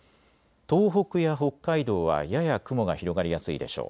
東北や北海道は、やや雲が広がりやすいでしょう。